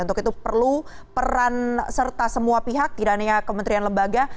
untuk itu perlu peran serta semua pihak tidak hanya kementerian lembaga